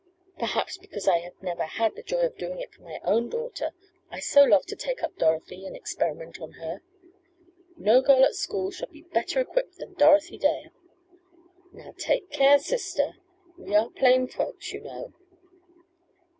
Perhaps because I have never had the joy for doing it for my own daughter, I so love to take up Dorothy and experiment on her. No girl at school shall be better equipped than Dorothy Dale " "Now take care, sister. We are plain folks, you know."